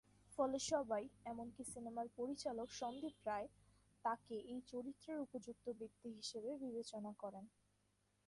ফলে সবাই এমনকি সিনেমার পরিচালক সন্দ্বীপ রায়, তাকে এই চরিত্রের উপযুক্ত ব্যক্তি হিসেবে বিবেচনা করেন।